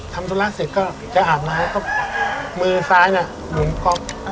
ทำตัวล่าเสร็จก็จะอาบน้ำแล้วก็มือซ้ายเนี่ยหมุนก๊อก